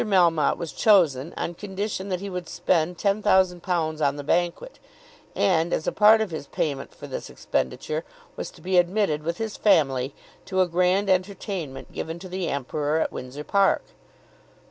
Melmotte was chosen on condition that he would spend £10,000 on the banquet; and, as a part of his payment for this expenditure, was to be admitted with his family, to a grand entertainment given to the Emperor at Windsor Park.